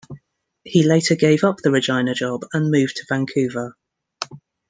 He later gave up the Regina job and moved to Vancouver.